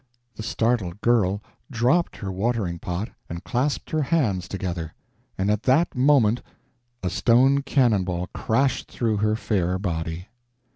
The startled girl dropped her watering pot and clasped her hands together, and at that moment a stone cannon ball crashed through her fair body.